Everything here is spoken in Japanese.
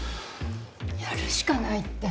「やるしかない」って。